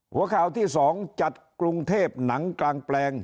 หัวข่าวที่๒จัดกรุงเทพหนังกลางแปลง